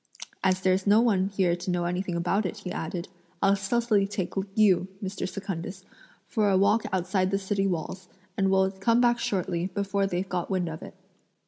"As there's no one here to know anything about it," he added, "I'll stealthily take you, Mr. Secundus, for a walk outside the city walls; and we'll come back shortly, before they've got wind of it."